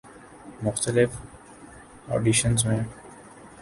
مختلف آڈیشنزمیں